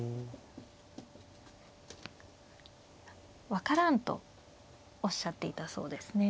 「分からん」とおっしゃっていたそうですね。